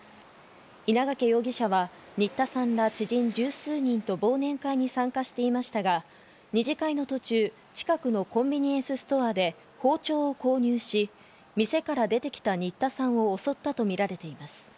稲掛容疑者は新田さんら知人１０数人と忘年会に参加していましたが、二次会の途中、近くのコンビニエンスストアで包丁を購入し、店から出てきた新田さんを襲ったとみられています。